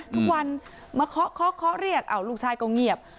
ทุกวันมาเคาะเคาะเรียกลูกชายก็เงียบ